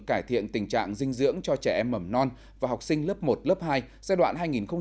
cải thiện tình trạng dinh dưỡng cho trẻ em mầm non và học sinh lớp một lớp hai giai đoạn hai nghìn một mươi chín hai nghìn hai mươi năm